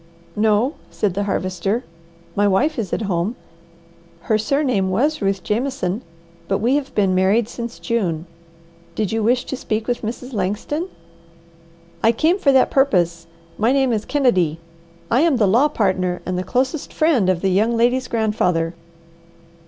"No," said the Harvester. "My wife is at home. Her surname was Ruth Jameson, but we have been married since June. Did you wish to speak with Mrs. Langston?" "I came for that purpose. My name is Kennedy. I am the law partner and the closest friend of the young lady's grandfather.